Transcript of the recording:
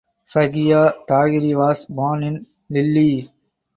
Zakia Tahiri was born in Lille.